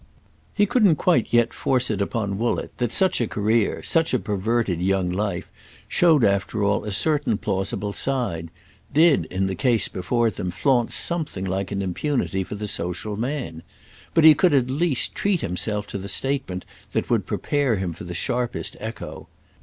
He couldn't quite yet force it upon Woollett that such a career, such a perverted young life, showed after all a certain plausible side, did in the case before them flaunt something like an impunity for the social man; but he could at least treat himself to the statement that would prepare him for the sharpest echo.